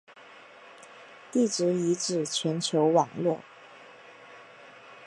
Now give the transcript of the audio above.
地质遗址全球网络。